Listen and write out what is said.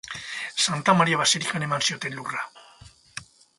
Santa Maria basilikan eman zioten lurra.